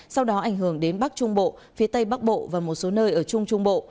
sau đó ảnh hưởng đến bắc trung bộ phía tây bắc bộ và một số nơi ở trung trung bộ